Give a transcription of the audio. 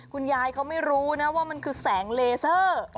คุณยายเขาไม่รู้นะว่ามันคือแสงเลเซอร์